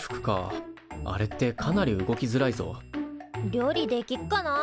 料理できっかな？